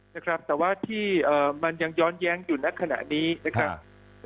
นะครับแต่ว่าที่มันยังย้อนแย้งอยู่ในขณะนี้นะครับ